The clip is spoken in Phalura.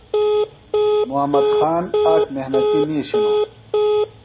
محمد خان آک محنتیۡ مِیش ہِنوۡ۔